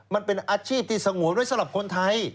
มันเป็นอาชีพที่สงวนไว้สำหรับคนไทย